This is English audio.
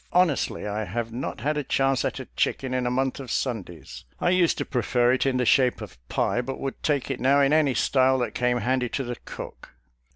Honestly, I have not had a chance at a chicken in a month of Sundays. I used to prefer it in the shape of BATTLE OF SEVEN PINES 49 pie, but would take it now in any style that came handy to the cook.